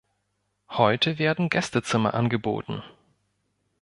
Heute werden Gästezimmer angeboten.